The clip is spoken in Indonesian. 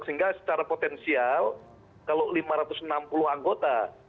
sehingga secara potensial kalau lima ratus enam puluh anggota